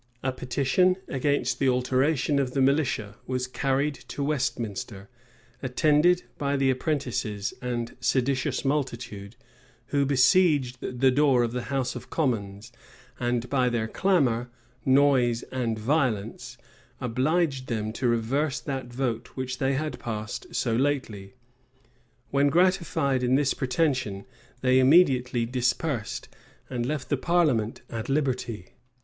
A petition against the alteration of the militia was carried to Westminster, attended by the apprentices and seditious multitude, who besieged the door of the house of commons; and by their clamor, noise, and violence, obliged them to reverse that vote which they had passed so lately. When gratified in this pretension, they immediately dispersed, and left the parliament at liberty.